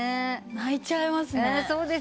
泣いちゃいますね。